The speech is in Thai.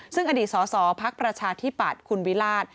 ซึ่งอดีตสสพักประชาธิปัตย์คุณวิราช